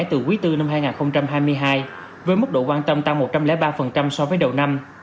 từ quý iv năm hai nghìn hai mươi hai với mức độ quan tâm tăng một trăm linh ba so với đầu năm